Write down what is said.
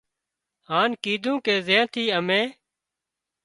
هانَ ڪيڌون ڪي زين ٿي امين